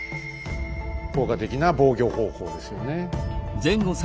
効果的な防御方法ですよね。